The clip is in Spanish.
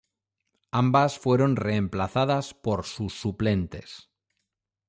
Ambas fueron reemplazadas por sus suplentes.